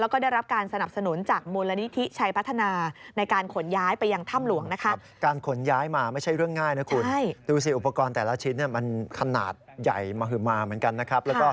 โปรการแต่ละชิดมันขนาดใหญ่มาฮึ่มมาเหมือนกันนะครับ